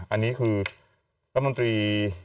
อันนี้คือรัฐมนตรี